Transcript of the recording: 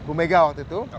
bumega waktu itu